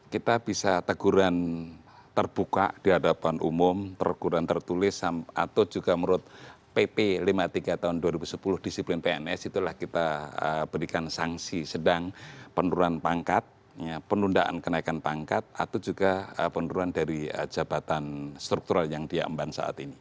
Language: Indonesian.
kita bisa teguran terbuka di hadapan umum teguran tertulis atau juga menurut pp lima puluh tiga tahun dua ribu sepuluh disiplin pns itulah kita berikan sanksi sedang penurunan pangkat penundaan kenaikan pangkat atau juga penurunan dari jabatan struktural yang diamban saat ini